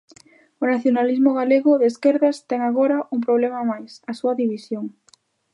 "O nacionalismo galego de esquerdas ten agora un problema máis, o da súa división".